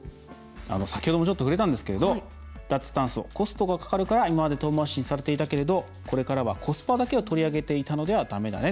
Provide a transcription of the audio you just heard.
先ほども、ちょっと触れたんですけれど「脱炭素、コストがかかるから今まで遠回しにされていたけれどこれからはコスパだけを取り上げていたのではだめだね。